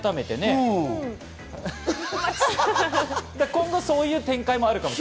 今後、そういう展開もあるかも。